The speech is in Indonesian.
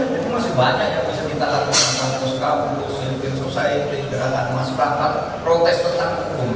tapi masih banyak yang bisa kita akui menganggur suka untuk selipin selesaikan bergerakan masker protes tentang hukum